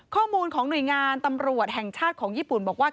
ข้อมูลของหน่วยงานตำรวจแห่งชาติของญี่ปุ่นบอกว่า